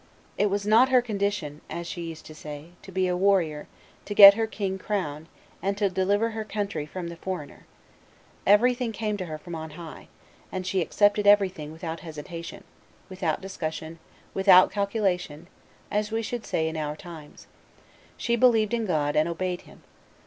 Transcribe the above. "It was not her condition," as she used to say, to be a warrior, to get her king crowned, and to deliver her country from the foreigner. Everything came to her from on high, and she accepted everything without hesitation, without discussion, without calculation, as we should say in our times. She believed in God, and obeyed Him.